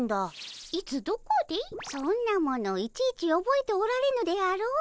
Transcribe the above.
そんなものいちいちおぼえておられぬであろう。